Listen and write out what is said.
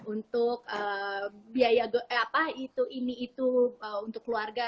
untuk biaya apa itu ini itu untuk keluarga